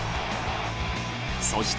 そして